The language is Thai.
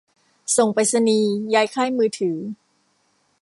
ส่งไปรษณีย์ ย้ายค่ายมือถือ